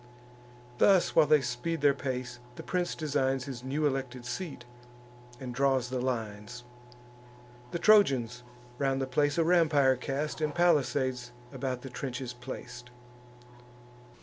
Thus while they speed their pace, the prince designs His new elected seat, and draws the lines. The Trojans round the place a rampire cast, And palisades about the trenches plac'd.